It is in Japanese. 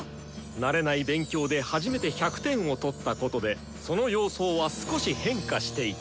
慣れない勉強で初めて１００点を取ったことでその様相は少し変化していた。